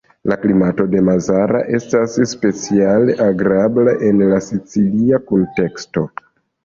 La klimato de Mazara estas speciale agrabla en la sicilia kunteksto.